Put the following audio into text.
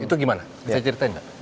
itu gimana bisa ceritain nggak